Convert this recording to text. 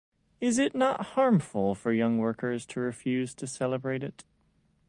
Is it not harmful for young workers to refuse to celebrate it?